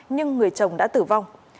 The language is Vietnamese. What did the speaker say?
nhưng người chồng đã tử vong